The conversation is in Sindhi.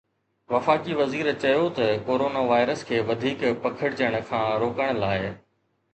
وفاقي وزير چيو ته ڪورونا وائرس کي وڌيڪ پکڙجڻ کان روڪڻ لاءِ…